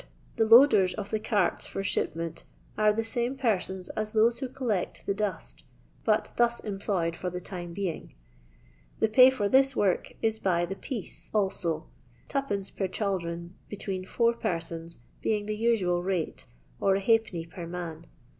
The loaders of the carts for shipment are the same persons as those who collect the dust, but thus employed for the time being. The pay for this work is by the " piece " also, 2d, per chaldron between four persons being the usual rate, or ^d, per man.